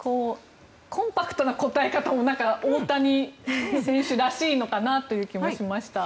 コンパクトな答え方も大谷選手らしいのかなという気もしました。